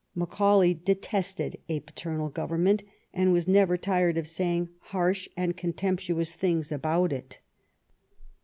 Macaulay detested a paternal government, and was never tired of saying harsh and contemptuous things about it.